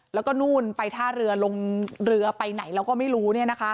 แล้วก็นู่นไปท่าเรือลงเรือไปไหนเราก็ไม่รู้